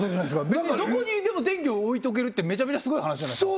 どこにでも電気を置いておけるってめちゃめちゃすごい話じゃないですか